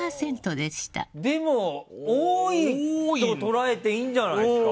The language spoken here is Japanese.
でも、多いと捉えていいんじゃないですか？